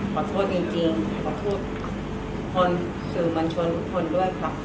ขอโทษจริงจริงขอโทษคนสื่อมันชวนทุกคนด้วยค่ะ